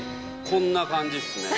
こんな感じっすね。